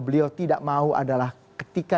beliau tidak mau adalah ketika